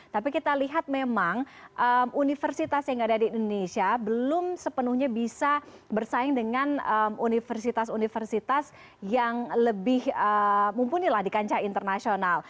tapi kita lihat memang universitas yang ada di indonesia belum sepenuhnya bisa bersaing dengan universitas universitas yang lebih mumpuni lah di kancah internasional